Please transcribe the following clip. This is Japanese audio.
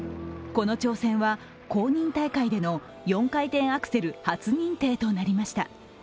この挑戦は公認大会での４回転アクセル初認定となりました。